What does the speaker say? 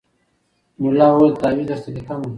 ملا وویل تعویذ درته لیکمه